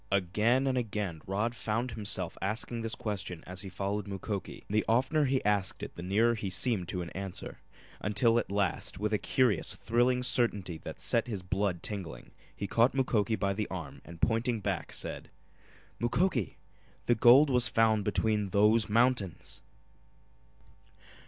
Again and again Rod found himself asking this question as he followed Mukoki, and the oftener he asked it the nearer he seemed to an answer, until at last, with a curious, thrilling certainty that set his blood tingling he caught Mukoki by the arm and pointing back, said: "Mukoki the gold was found between those mountains!"